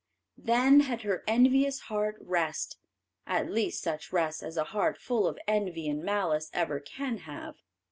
Then had her envious heart rest, at least such rest as a heart full of envy and malice ever can have.